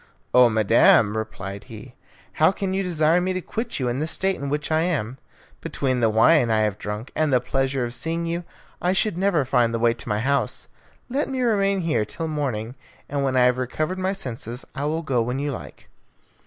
"Oh, madam," replied he, "how can you desire me to quit you in the state in which I am? Between the wine I have drunk, and the pleasure of seeing you, I should never find the way to my house. Let me remain here till morning, and when I have recovered my senses I will go when you like."